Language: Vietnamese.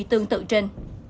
tương tự trên